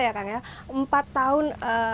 nggak kerasa ya kak emil empat tahun